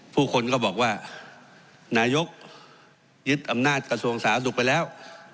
ผู้คนก็บอกว่านายกยึดอำนาจกระทรวงสาธารณสุขไปแล้ว